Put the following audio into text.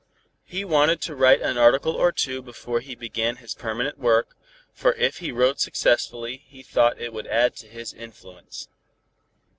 He wanted to write an article or two before he began his permanent work, for if he wrote successfully, he thought it would add to his influence.